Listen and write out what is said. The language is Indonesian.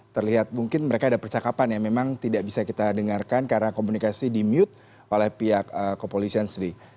terlihat mungkin mereka ada percakapan yang memang tidak bisa kita dengarkan karena komunikasi di mute oleh pihak kepolisian sri